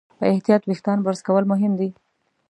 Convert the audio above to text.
په احتیاط وېښتيان برس کول مهم دي.